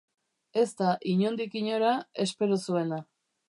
Ez da, inondik inora, espero zuena.